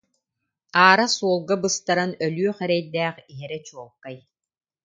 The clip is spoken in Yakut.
Аара суолга быстаран өлүөх эрэйдээх иһэрэ чуолкай